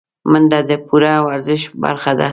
منډه د پوره ورزش برخه ده